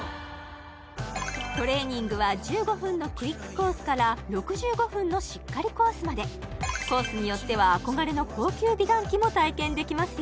トレーニングは１５分のクイックコースから６５分のしっかりコースまでコースによっては憧れの高級美顔器も体験できますよ